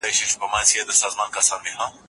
په ایران کې هیڅوک له قانون څخه نه وېرېدل.